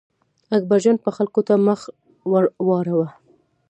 اکبرجان به خلکو ته مخ ور واړاوه.